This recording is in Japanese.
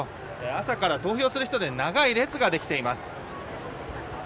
朝から投票する人で長い列ができています。